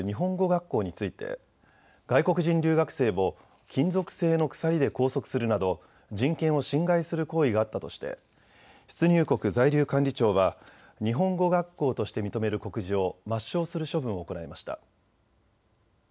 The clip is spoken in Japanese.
学校について外国人留学生を金属製の鎖で拘束するなど人権を侵害する行為があったとして出入国在留管理庁は日本語学校として認める告示を抹消する処分を行いました。